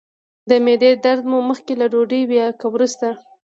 د معدې درد مو مخکې له ډوډۍ وي که وروسته؟